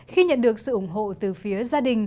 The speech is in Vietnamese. khi nhận được sự ủng hộ từ phía gia đình